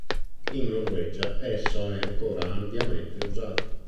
In Norvegia esso è ancora ampiamente usato.